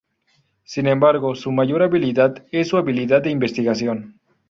Sin embargo, su mayor habilidad es su habilidad de investigación.